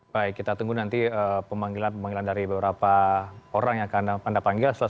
baik kita tunggu nanti pemanggilan pemanggilan dari beberapa orang yang akan anda panggil salah satunya dari mabes pori